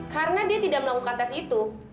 karena dia tidak melakukan tes itu